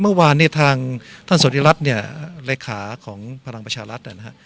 อ๋ออ๋อเมื่อวานเนี้ยทางท่านสวทีรัฐเนี้ยเลยขาของพลังประชารัฐนะฮะ